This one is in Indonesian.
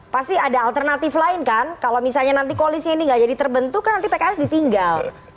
pasti ada alternatif lain kan kalau misalnya nanti koalisnya ini nggak jadi terbentuk kan nanti pks ditinggal